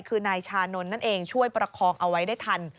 คือนายชานนท์นั่นเองช่วยประคองเอาไว้ได้ทัน